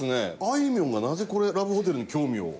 あいみょんがなぜこれラブホテルに興味を。